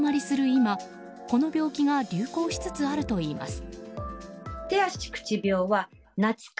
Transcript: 今この病気が流行しつつあるといいます。